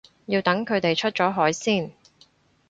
要等佢哋出咗海先